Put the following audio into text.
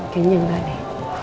kayaknya nggak deh